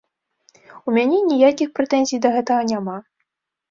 У мяне ніякіх прэтэнзій да гэтага няма.